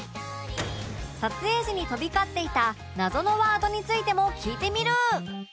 撮影時に飛び交っていた謎のワードについても聞いてみる